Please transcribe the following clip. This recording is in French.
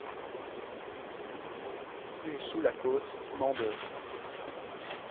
Rue sous la Côte, Mandeure